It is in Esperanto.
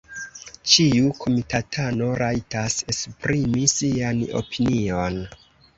Ĉiu komitatano rajtas esprimi sian opinion.